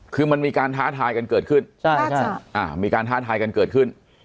คือมันมีการท้าทายกันเกิดขึ้นมีการท้าทายกันเกิดขึ้น